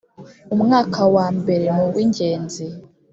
Umwaka wa mbere ni uw’ingenzi